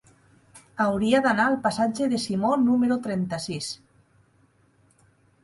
Hauria d'anar al passatge de Simó número trenta-sis.